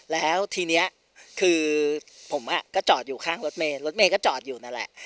แล้วทีนี้คือผมก็จอดอยู่ข้างรถเมย์รถเมย์ก็จอดอยู่นั่นแหละ